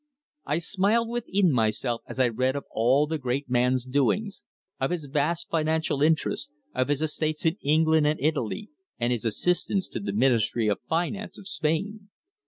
I smiled within myself as I read of all the great man's doings, of his vast financial interests, of his estates in England and in Italy, and his assistance to the Ministry of Finance of Spain.